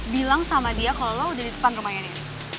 bilang sama dia kalau lo udah di depan rumahnya